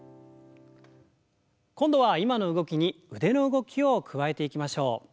今度は今の動きに腕の動きを加えていきましょう。